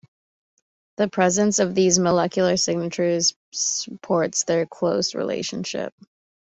The presence of these molecular signatures supports their close relationship.